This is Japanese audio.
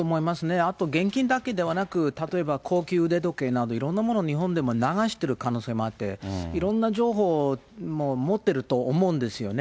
あと、現金だけではなく、例えば高級腕時計など、いろんなものを日本でも流してる可能性もあって、いろんな情報持ってると思うんですよね。